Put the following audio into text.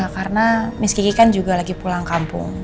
karena miss kiki kan juga lagi pulang kampung